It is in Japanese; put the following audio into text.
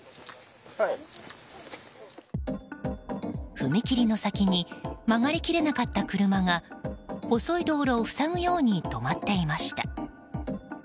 踏切の先に曲がり切れなかった車が細い道路を塞ぐように止まっていました。